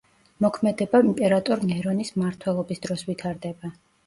მოქმედება იმპერატორ ნერონის მმართველობის დროს ვითარდება.